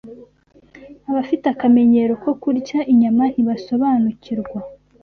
Abafite akamenyero ko kurya inyama ntibasobanukirwa